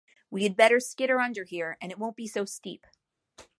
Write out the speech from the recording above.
We had better skitter under here, and it won't be so steep.